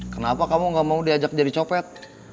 kenapa kamu gak mau diajak jadi copet